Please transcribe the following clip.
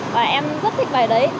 và em rất thích bài đấy